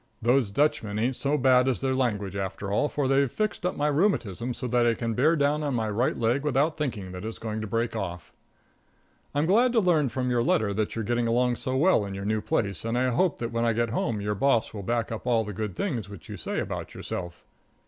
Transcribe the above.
Those Dutchmen ain't so bad as their language, after all, for they've fixed up my rheumatism so that I can bear down on my right leg without thinking that it's going to break off. I'm glad to learn from your letter that you're getting along so well in your new place, and I hope that when I get home your boss will back up all the good things which you say about yourself.